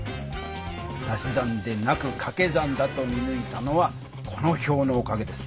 足し算でなくかけ算だと見ぬいたのはこの表のおかげです。